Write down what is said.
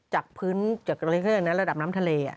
จากพื้นจากระดับน้ำทะเล